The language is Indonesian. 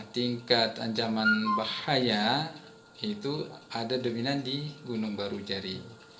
tingkat ancaman bahaya itu ada dominan di gunung barujari